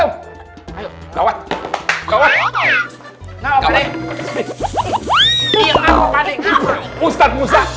aduh tinggi banget ya